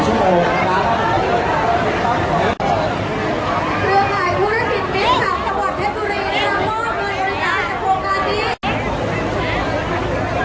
ขอบคุณมากนะคะแล้วก็แถวนี้ยังมีชาติของ